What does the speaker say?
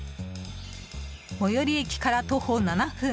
最寄り駅から徒歩７分。